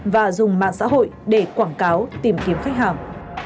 và dùng mạng xã hội để quảng cáo tìm kiếm khách hàng